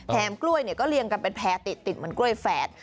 กล้วยก็เรียงกันเป็นแพร่ติดเหมือนกล้วยแฝด